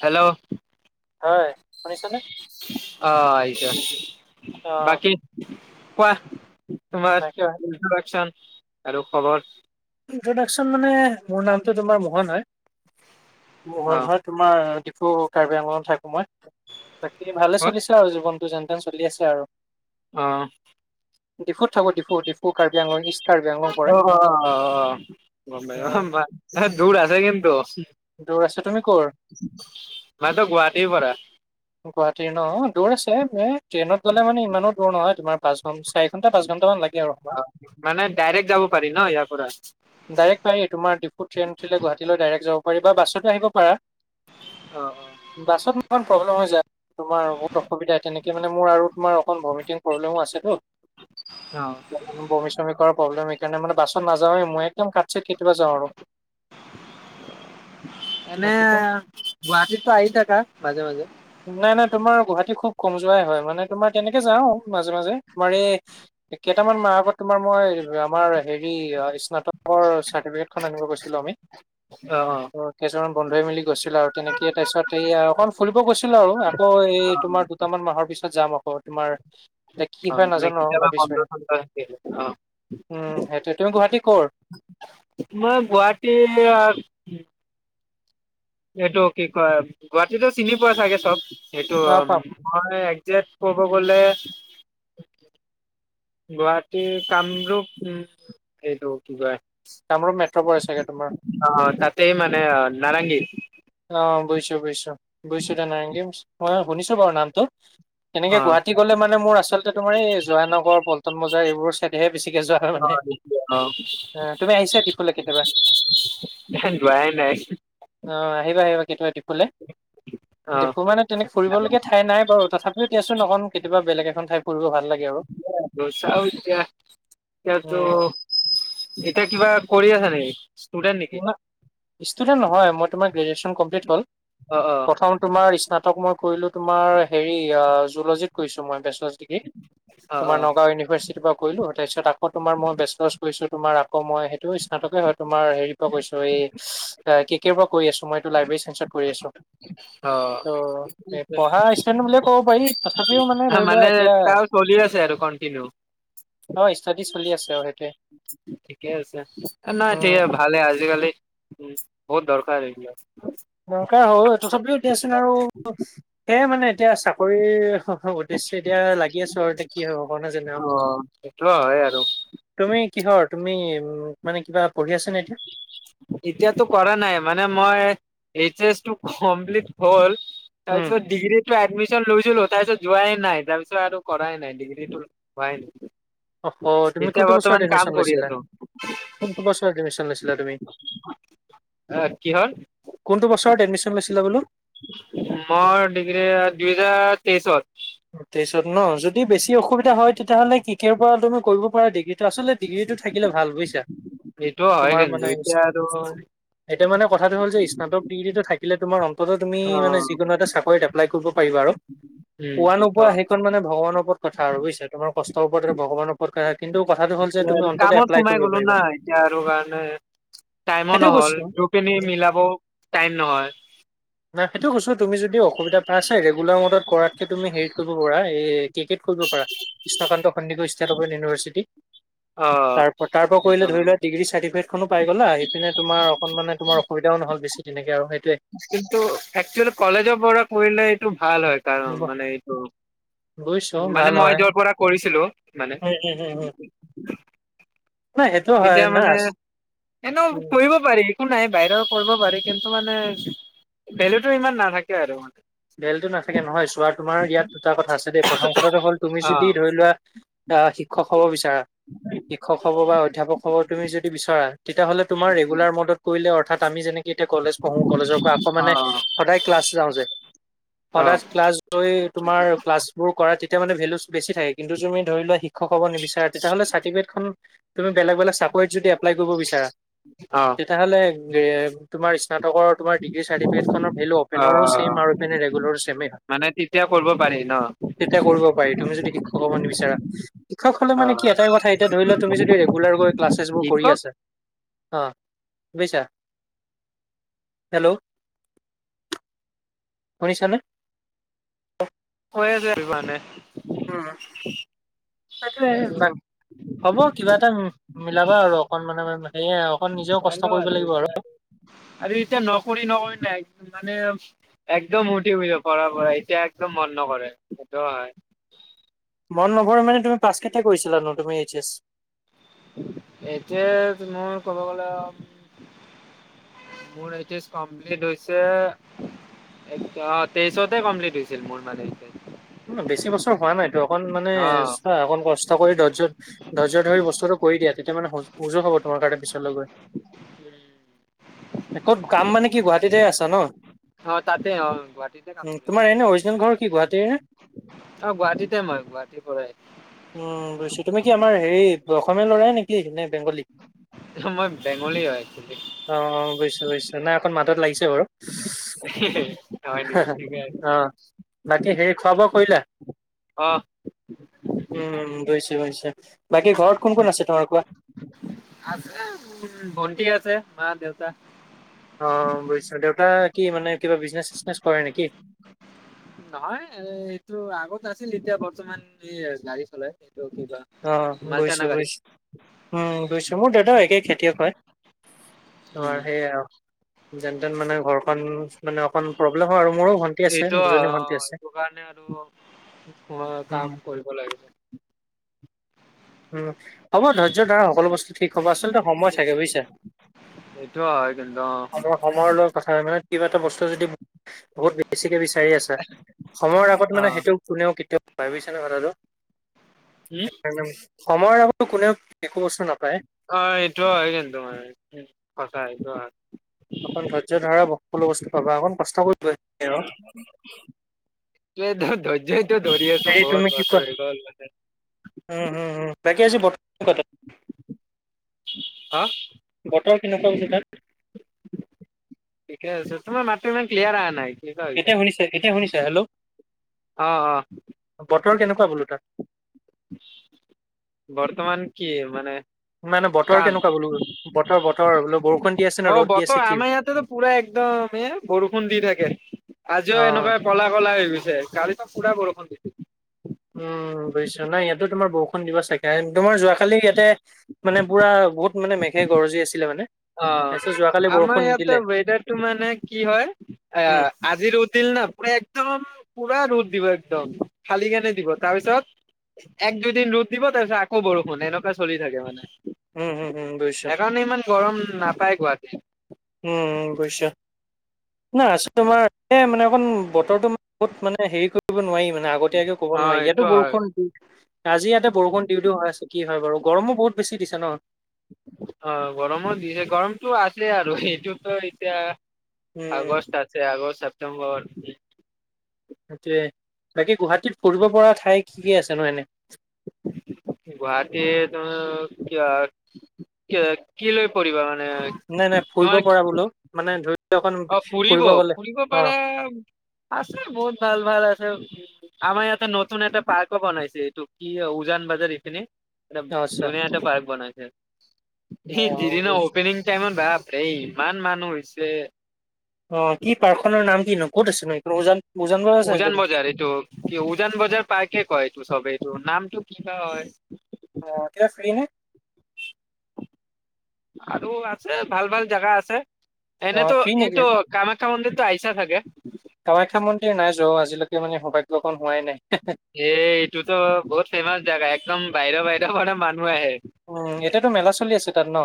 Hello হয়, শুনিছানে? অ', [unintelligible] অ' বাকী কোৱা। তোমাৰ মাইকে হয়। ইন্ত্ৰডাকচন। আৰু খবৰ? ইনট্ৰডাকচন মানে মোৰ নামটো, তোমাৰ মোহন হয়। অ মোহন হয়, তোমাৰ ত' কাৰ্বি আংলঙত থাক সময় বাকী ভালে ক'ত চলিছে আৰু জীৱন। টো যেন তেন চলি আছে আৰু। অহ। ডিফুত থাকোঁ ডিফু, ডিফু। উ কাৰ্বি আংলং, ইষ্ট কাৰ্বি আংলং পৰে। অ অ অ', গম পাইছ বা, দূৰ আছে কিন্তু। দৌৰ আছে, তুমি কৰ? মইতো গুৱাহাটীৰ পৰা গুৱাহাটীৰ ন' দূৰ আছে এ ট্ৰেইনত গ'লে মানে ইমানো দূৰ নহয়। তোমাৰ পাঁচ, চাৰি ঘণ্টা পাঁচ ঘণ্টামান লাগে আৰু অ সময়, মানে ডাইৰেক্ট যাব পাৰি ন ইয়াৰ পৰা ডাইৰেক্ট পাৰি, তোমাৰ ডিফু ট্ৰেইন উঠিলে গুৱাহাটীলৈ ডাইৰেক্ট যাব কৰিবা বাছতো আহিব পাৰা। অ বাছত ইমান প্ৰব্লেম হৈ যায়। তোমাৰ বহুত অসুবিধা তেনেকে মানে মোৰ আৰু তোমাৰ অকণ ভমিটিং প্ৰব্লেমো আছেতো। অ অ বমি চমি কৰাৰ প্ৰব্লেম সেইকাৰণে মানে বাছত নাযাওঁৱে মই একদম কাট চিত কেতিয়াবা যাওঁ আৰু। এনে গুৱাহাটীতো গুৱাহাটীতটো আহি থাকা মাজে মাজে। নাই নাই তোমাৰ গুৱাহাটী খুব কম যোৱাই হয়, মানে তোমাৰ তেনেকে যাও মাজে মাজে তোমাৰ এই কেইটামান মাহ আগত তোমাৰ মই আমাৰ হেৰি স্ন ৰ চাৰ্টিফিকেট খন আনিব গৈছিলোঁ আমি, অ পন্ধই মিলি গৈছিলো আৰু তেনেকে তাৰপিছত এই আৰু অকণ ফুৰি গৈছিলো আৰু আকৌ এই অ তোমাৰ দুটামান মাহৰ পিছত যাম আকৌ তোমাৰ এ কি অ হয় মানে নাজানো কেতিয়াবা বন্ধ ভাবিছোঁ, চন্ধ থাকে অ উম সেইটোৱে তুমি গুৱাহাটী ক মই গুৱাহাটী এইটো কি কয় গুৱাহাটীতো চিনি পোৱা চাগে চব? এইটো অ', পাম হয়। জেট ক'ব গ'লে-' গুৱাহাটীৰ কামৰূপ উম। এইটো কি কয়? কামৰূপ মেট্ৰ' পৰে চাগে তোমাৰ। অ তাতে মানে নাৰেঙ্গী। উ [unintelligible] অ গৈছো গৈছো। গৈছোঁ তো নাইংগি অ শুনিছো বাৰু নামটো। এনেকে অ গুৱাহাটী গ'লে মানে মোৰ আচলতে তোমাৰ এই জয়ানগৰ পল্টন বজাৰ এইবোৰৰ ছাইডহে বেছিকে যোৱা হয় অ মানে অ তুমি আহিছা ডিফুলে কেতিয়াবা যোৱাই নাই [unintelligible] অ। আহিবা আহিবা কেতিয়াবা ডিফুলে। অ ডিপু মানে তেনে ফুৰিবলগীয়া ঠাই নাই বাৰু তথাপিও দিয়াচোন অকন কেতিয়াবা বেলেগে কনখন ঠাই ফুৰিব ভাল? লাগে আৰু। চাওদিয়া এতিয়াতো উম, এতিয়া কিবা পৰি আছা নেকি? ষ্টুডেন্ট নেকি ষ্টুডেণ্ট নহয় মই তোমাৰ গ্ৰেজুৱেশ্যন কমপ্লিট হ'ল অ অ কথাহল তোমাৰ স্নাতক মই। কৰিলো তোমাৰ হেৰি অ জুলজিত কৰিছো মই বেষ্ট। অ তোমাৰ অ নগাঁও ইউনিভাৰ্চিটি পৰিলো তাৰপাছত আকৌ তোমাৰ মই বেষ্টচেলাৰ কৰিছো তোমাৰ আকৌ মই সেইটো স্নাতকে হয় তোমাৰ হেৰি কৈছো এই কেকে কৰি আছো মই টো লাইবেৰি চেন্ঞ্চত কৰি আছো। ত' পঢ়া ষ্টুডেন্ট বুলিয়ে ক'ব পাৰি তথাপিও অ ধৰি লোৱা মানে এতিয়া তাৰ চলি আছে আৰু কন্টিনউ। অ ষ্টাডি চলি আছে আৰু সেইটোৱে ঠিকে আছে নহয় টে উম ভালেই আজিকালি উম বহুত দৰকাৰ এইবিলাক। দৰকাৰ হয় তথাপিও দে চোন আৰু সেয়াই মানে। এতিয়া চাকৰি হ উদ্দেশ্যয় এতিয়া লাগি আছো আৰু এতিয়া কি হব কোৱা নাজানো অ', সেইটো হয় আৰু তুমি কিহৰ তুমি [unintelligible] উম মানে কিবা? পঢ়ি আছা নে এতিয়া এতিয়াতো কৰা নাই মানে মই এইচ, এছ কমপ্লিট হ'ল। উম তাৰ ডিগ্ৰী [unintelligible] এডমিশ্যন লৈছিলো তাৰ পিছত যোৱাই নাই তাৰ পিছত আৰু কৰাই নাই ডিগ্ৰী হোৱাই নাই। অহ অ', তুমি এতিয়া কোনটো বছৰত বৰ্তমান কাম এডমিশ্যন কৰি লৈছিলা? আছো কোনটো বছৰত এডমিশ্যন লৈছি [unintelligible] তুমি, অ', কিহৰ কোনটো বছৰত এডমিশ্যন লৈছিলা বোলো? মোৰ ডিগ্ৰী পিজাৰ তেছত। [inaudible] তেইছত ন? যদি বেছি অসুবিধা হয় তেতিয়াহ'লে কি কেৰ পৰা তুমি কৰিব পাৰা ডিগ্ৰী এটা [unintelligible] ডিগ্ৰীটো থাকিলে ভাল বুইচা? এইটো হয় তোমাৰ কিন্তু মানে, এতিয়া আৰু এতিয়া মানে কথাটো হ'ল যে স্নাতক ডিগ্ৰীটো থাক [unintelligible] তোমাৰ অন্তত তুমি অ', মানে উম, যিকোনো এটা চাকৰিত এপ্লাই কৰিব পাৰিবা আৰু। পোৱা এতিয়া নোপোৱা সেইকন মানে ভগৱানৰ ওপৰত কথা আৰু বুইচা, তোমাৰ কষ্টৰ ওপৰত ভগৱানৰ ওপৰত কথা কিন্তু কথাটো হ'ল যে তুমি অন্তত কামত এপ্লাই সোমাই কৰিব গ'লো পাৰিবা না, এতিয়া আৰু কাৰণে টাইমো সেইটোৱে নহল, দুপিনি কৈছো। মিলাব টাইম নহয়। সেইটোৱে কৈছো তুমি যদি অ অসুবিধা পাই আছা ৰেগুলাৰ মুডত কৰা চে তুমি হেৰিত কৰিব পাৰা, এই কেকেত কৰিব পাৰা, Krishnakanta Sandikoi state open university. তাৰ প, তাৰ পৰা কৰিলে ধৰি অ', লোৱা ডিগ্ৰী চাৰ্টিফিকেট খনো পাই গ'লা, সেইপিনে তোমাৰ অকণমানে তোমাৰ অসুবিধাও নহ'ল বেছি যেনেকে আৰু সেই কিন্তু, একচুৱেলি কলেজৰ পৰা কৰিলে এইটো ভাল হয় কাৰণ। মানে এইটো, বুজিছো ভাল মানে হয় মই য'ৰ পৰা কৰিছিলো মানে। উম উম উম উম নাই সেইটো হয় এতিয়া না মানে এনেও উম কৰিব পাৰি। একো নাই বাহিৰৰ কৰিব পাৰি কিন্তু মানে ভেলুটো ইমান নাথাকে আৰু মানে। ভেলুটো নাথাকে নহয় চোৱা তোমাৰ ইয়াত দুটা কথা আছে দেই, প্ৰথম কথাটো হ'ল তুমি অ যদি ধৰি লোৱা আ' শিক্ষক [inaudible] [unintelligible] শিক্ষক হব বা অধ্যাপক হব তুমি যদি বিচৰা, তেতিয়া হ'লে তোমাৰ ৰেগুলাৰ ম'দত কৰিলে অৰ তাত আমি যেনে কে এতিয়া কলেজ পঢ়ো, কলেজৰ পৰা আকৌ মানে সদায় ক্লাছ যাওঁ যে অ অ সদাই ক্লাছ গৈ তোমাৰ ক্লাছ বোৰ কৰা তেতিয়া মানে ভেলুছ বেছি থাকে, কিন্তু তুমি ধৰি লোৱা শি ক্ষক হ'ব নিবিচাৰা তেতিয়াহ'লে চাৰ্টিফিকেটখন তুমি বেলেগ- বেলেগ চাকৰিত যদি এপ প্লাই কৰিব বিচাৰা, অ তেতিয়াহ'লে এ তোমাৰ ইচ্ স্নাতকৰ তোমাৰ ডিগ্ৰী চাৰ্টিফিকেটখনৰ ভেলু অ অপেনৰো ছেম আৰু মানে ৰেগুলাৰো ছেমে হয়, মানে তেতিয়া কৰিব পাৰি ন তেতিয়া কৰিব পাৰি তুমি য শিক্ষক হ'ব নিবিচাৰা শিক্ষক হ'লে অ মানে কি এটাই কথা এতিয়া ধৰি লোৱা তুমি যদি ৰেগুলাৰ ক্লাচেছ বোৰ কৰি শিকক আছা অঁ বুইছা, হেল্ল'। শুনিছানে। হৈ আছে [unintelligible] মানে। উম, [unintelligible] হ'ব কিবা এটা মিলাবা আৰু অকনমানৰ কাৰনে। চাই ল আৰু এতিয়া আৰু আৰু এতিয়া নকৰি নকৰি মানে। একদম উঠি পঢ়া পঢ়া এতিয়া একদম মন নকৰে সেইটোও হয়। মন নকৰে মানে তুমি পিছ কে। কেতিয়া কৰিছিলা ন তুমি এইচ এছ। এতিয়া মোৰ ক'ব গলে মোৰ এইচ এছ কমপ্লিট হৈছে এ তেইশতে কমপ্লিট হৈছিল মোৰ মানে। বেছি বছৰ হোৱা নাইতো অকণ মানে অ', চোৱা অকন কষ্ট কৰি দহজন। ধৈৰ্য ধৰি বস্তুটো কৰি দিয়া তেতিয়া মানে উজু হব তোমাৰ কাৰণে পিছলৈ গৈ কাম মানে কি গুৱাহাটীতে আছা ন। অহ তাতে অহ গুৱাহাটীতে কাম উম, কৰি তোমাৰ আছো। এনে অৰিজিনেল ঘৰ কি গুৱাহাটীৰ। অ', গুৱাহাটীতে মই গুৱাহাটীৰ পৰাই উম গৈছো তুমি কি আমাৰ হেৰি। অসমীয়া লৰাই নেকি নে বেংগলী। মই বেংগলী হয়। হৈছে না অকণ মাতত লাগিছে বাৰু। অ', হয়। বাকী হেৰি খোৱা বোৱা। কৰিলা। অহ। উম বুজিছো বুজিছো বাকী ঘৰত কোন কোন আছে তোমাৰ কোৱা। আছে মোৰ ভন্টি আছে মা দেউতা। অহ বুজিছো দেউতাই। কি মানে কিবা বিজনেচ চিচনেছ কৰে নেকি। নহয় এইটো আগত আছিল এতিয়া বৰ্তমান এই গাড়ী চলাই। এইটো কিবা অহ বুজিছো মালটানা গাড়ী বুইছো উম বুইছো মোৰ দেউতাও একেই খেতিয়ক হয়। উম, তোমাৰ সেইয়া। যেনতেন মানে ঘৰখন। মানে অকন প্ৰব্লেম হয় আৰু মোৰো ভন্টি আছে এইটো দুজনী ভন্টি আছে। এইটো কাৰণে আৰু মই উম, কাম কৰিব লাগে। উম। হব ধৈৰ্য ধৰা সকলো বস্তু ঠিক হব আচলতে সময় থাকে বুজিছা এইটো হয় কিন্তু অ', সময়ৰ লগত কথা মানে কিবা এটা বস্তু যদি বহুত বেছিকে বিচাৰি আছা সময়ৰ আগত মানে অ', সেইটো কোনেও কেতিয়াও। প্ৰাইভছনে কথাটো। উম, সময় আবৌ কোনেও। একো বস্তু নাপায়। অহ এইটো হয় কিন্ত তো মানে সঁচাই। অহ। অকণ ধৈৰ্য ধৰা। সকলো বস্তু পাবা অকণ কষ্ট কৰিব আৰু। মে' দত্। ত এতিয়া তো দৌৰি আছো হেৰি বহুত তুমি কি কোৱা বছৰ হৈ গল উম তাতে। উম উম বাকী আজি বতৰ হা বতৰ কেনেকুৱা তাত ঠিকে আছে তোমাৰ মাতটো ইমান ক্লিয়াৰ আহা নাই? কিবা হৈছে। এতিয়া শুনিছে এতিয়া শুনিছে হেল্ল অ', অ', বতৰ কেনেকুৱা বোলো তাত বৰ্তমান কি মানে মানে বতৰ কাম অ কেনেকুৱা বোলো বতৰ বোলো বৰষুণ দি আছে নে ৰ'দ দি আছে বতৰ কি আমাৰ ইয়াতেতো পুৰা একদম এ বৰষুণ দি থাকে অ আজিও এনেকুৱা পলা কলা হৈ গৈছে গাড়ী চব পুৰা বৰষুণ। [unintelligible] উম বুজিছা নাই ইয়াতো তোমাৰ বৰষুণ দিব থাকে তোমাৰ যোৱাকালি ইয়াতে মানে পুৰা বহুত মানে মেঘে গৰজি আছিলে মানে। অ তাৰপিছত যোৱাকালি আমাৰ বৰষুণ ইয়াতে নিদিলে ৱেডাৰটো মানে কি হয় এ উম আজি পু একদম পুৰা ৰ দিব একদম ফালি কেনে দিব তাৰপিছত এক দুইদিন ৰদ দিব তাৰপিছত আকৌ বৰষুণ এনেকুৱা চলি থাকে মানে। উম হুম সেইকাৰণে ইমান গৰম নাপায় কোৱা দ উম বুছ নাই আছো তোমাৰ মানে অকণ বতৰটো ম বহুত মানে হেৰি কৰিব নোৱাৰি মানে আগতে এতিয়াকে ক'ব নোৱাৰি অ' ইয়াতো এইটো হয় বৰষুণ দিশ আজি ইয়াতে বৰষুণ দিওঁ দিও হৈ আছে কি হয় হয় বাৰু গৰমো বহুত বেছি দিছে ন। অ' গৰমত দিছে গৰমতটো আছে আৰু এইটোতো এতিয়া উম আগষ্ট আছে আগষ্ট উম ব [inaudible] সেইটোয়ে! বাকী গুৱাহাটীত ফুৰিব পৰা ঠাই কি কি আছে ন এনে? গুৱাহাটী তমাৰ কি কি লৈ পিবা মানে [inaudible] নাই নাই, তোমাৰ ফুৰিব পৰা বোলো মানে ধৰি লোৱা অকণ অ। ফুৰিব- গ'লে ফুৰিব অ পাৰা আছে বহুত ভাল- ভাল আছে। আমাৰ ইয়াতে নতুন এটা পাৰ্কো বনাইছে এইটো কি উজান বজাৰ এইখিনি এ' অ আচ্ছা দুুনীয়া এটা পাৰ্ক বনাই উম। অ [unintelligible] বুজিছো অপেনিং টাইম বা। এই ইমান মানুহ হৈছে। অঁ, কি পাৰ্ক খনৰ নাম কিনো ক'ত আছে নো উওজান উজান বজাৰ এইটো কি উজান বজাৰ পাৰ্কে কেই এইটো চবেই। ত' নামটো কি বা হয়। অঁ, এতিয়া ফ্ৰী নে? আৰু আছে ভাল- ভাল জেগা আছে। অ এনেটো ফ্ৰী নেকি এইটো কাম টাউন তু আহিছা চাগে? কামাখ্যা মন্দিৰ নাই যোৱা অ' আজি। আজিলৈকে মানে সৌভাগ্যকণ হোৱাই নাই এইটোতো বহুত ফেমাচ জেগা একদম। বাহিৰৰ বাহিৰৰ পৰা মানুহ আহে উম এতিয়াতো মেলা চলি আছে? তাত ন?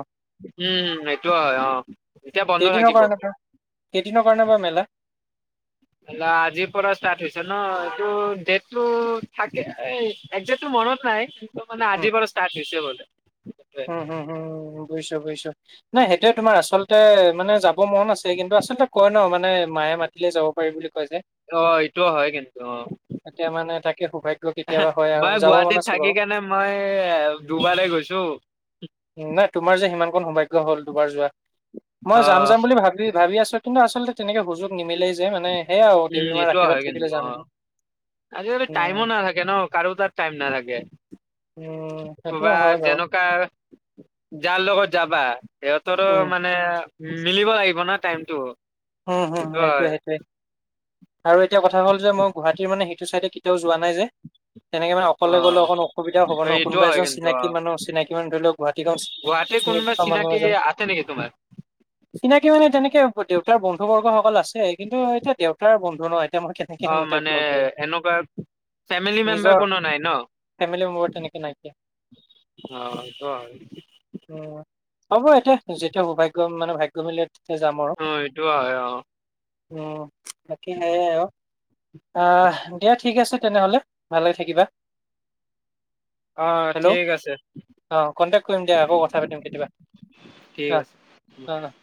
উম সেইটো হয় অ' এতিয়া বন্ধ কেইদিনৰ থাকিব। কাৰণে বা [unintelligible] মেলা। আজিৰ পৰা ষ্টাৰ্ট হৈছে ন এইটো ডেট টো থাকে এই এক্সেতটো মনত নাই, কিন্তু মানে আজিৰ পৰা ষ্টাৰ্ট হৈছে বোলে। উম, হম, হম। বুজিছোঁ, বুজিছোঁ নাই সেইটোৱে তোমাৰ আচলতে মানে যাব মন আছে কিন্তু আচলতে কয় নহ মানে মায়ে মাতিলে যাব পাৰি বুলি। কয় যে। অহ, এইটো হয় কিন্তু অহ, এতিয়া মানে তাকে সৌভাগ্য কেতিয়াবা হয় আৰু মই যাব মন গুৱাহাটীত আছে থাকি বাৰু। কেনে মই দুবাৰে গৈছোঁ। নাই তোমাৰ যে সিমানকণ সৌভাগ্য হ'ল দুবাৰ যোৱা। মই যাম, অ', যাম বুলি ভাবি, ভাবি আছ কিন্তু আচলতে তেনেকে সুযোগ নিমিলেই যে মানে সেয়া আৰু দেৱী উম, মাৰ এইটোও আশীৰ্বাদ হয় থাকিলে কিন্তু অহ, যামগে। আজিকালি টাইমো উম, নাথাকে নহ, কাৰোঁ তাত টাইম নাথাকে। উম, সেইটো ক'বা হয় বাৰু। যেনেকুৱা যাৰ লগত যাবা ইহঁতৰো উম, মানে উম, মিলিব লাগিব নহ, টাইমটো। উম, হম, সেইটো সেইটোৱে, হয় সেইটোৱে। আৰু এতিয়া কথা হ'ল যে মই গুৱাহাটীৰ মানে সেইটো চাইডে কেতিয়াও যোৱা নাই যে। তেনেকে মানে অকলে গ'লে অ', অকণ অসুবিধা হ'ব নহ, এইটোও কোনোবা হয় এজন কিন্তু চিনাকি অ'। মানুহ, চিনাকি মানুহ ধৰি লওঁক গুৱাহাটীখন গুৱাহাটীৰ চিনি কোনোবা পোৱা মানুহ চিনাকি এজন, আছে নেকি তোমাৰ? চিনাকি মানে তেনেকে কে হ'ব দিয়ক। বন্ধু বৰ্গসকল আছে কিন্তু এতিয়া দেউতাৰ বন্ধু নহ। মই কেনেকে অ মানে [unintelligible] এনেকুৱা ফেমিলি মেম্বাৰ নিজৰ কোনো নাই ন? ফেমেলি মেম্বৰ তেনেকে নাইকিয়া অ এইটো হয়। উম, হ'ব এতিয়া যেতিয়া সৌভাগ্য দম মানে ভাগ্য মিলে তেতিয়া যাম আৰু। অ' এইটো হয়। অ' উম বাকি হ [unintelligible] অ' দিয়া ঠিক আছে। তেনেহ'লে ভালদৰে থাকিবা। অ হেল্ল' ঠিক আছে অঁ কণ্টেক্ট কৰিম দিয়া আকৌ কথা পাতিম কেতিয়াবা ঠিক আছে। অ' অ' অ'